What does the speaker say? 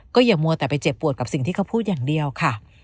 อย่ามัวแต่ไปเจ็บปวดกับสิ่งที่เขาพูดอย่างเดียวค่ะ